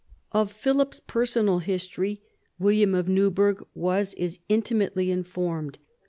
Of Philip's personal history William of Newburgh was as intimately informed.